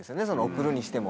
送るにしても。